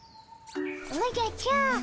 おじゃちゃー。